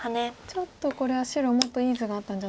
ちょっとこれは白もっといい図があったんじゃないかと。